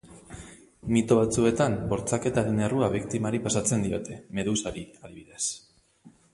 Mito batzuetan bortxaketaren errua biktimari pasatzen diote, Medusari, adibidez.